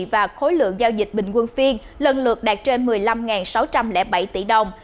và khối lượng giao dịch bình quân phiên lần lượt đạt trên một mươi năm sáu trăm linh bảy tỷ đồng